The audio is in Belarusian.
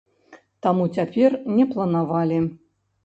Таму цяпер не планавалі.